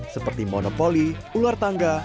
seperti monopoli ular tangga